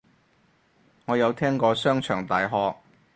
我有聽過商場大學